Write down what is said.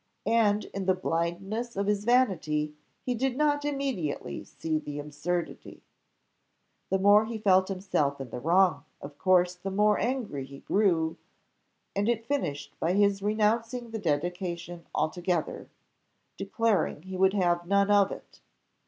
and in the blindness of his vanity he did not immediately see the absurdity. The more he felt himself in the wrong, of course the more angry he grew, and it finished by his renouncing the dedication altogether, declaring he would have none of it.